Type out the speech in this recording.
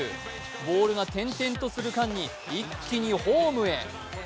ボールが点々とする間に一気にホームへ。